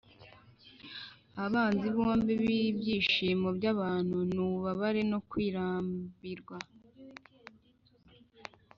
“abanzi bombi b'ibyishimo by'abantu ni ububabare no kurambirwa.”